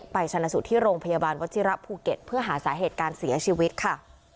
ชนะสูตรที่โรงพยาบาลวัชิระภูเก็ตเพื่อหาสาเหตุการเสียชีวิตค่ะ